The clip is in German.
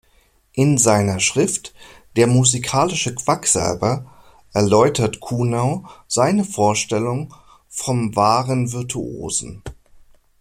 In seiner Schrift "Der musicalische Quack-Salber" erläutert Kuhnau seine Vorstellung vom „wahren Virtuosen“.